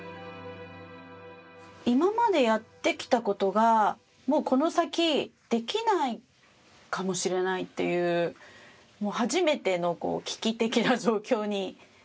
今までやって来た事がもうこの先できないかもしれないっていう初めての危機的な状況に陥って。